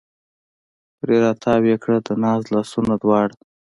پرې را تاو یې کړه د ناز لاسونه دواړه